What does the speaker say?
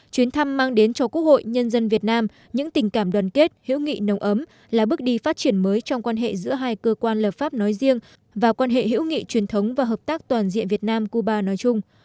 chuyến thăm mang đến cho quốc hội nhân dân việt nam những tình cảm đoàn kết hữu nghị nồng ấm là bước đi phát triển mới trong quan hệ giữa hai cơ quan lập pháp nói riêng và quan hệ hữu nghị truyền thống và hợp tác toàn diện việt nam cuba nói chung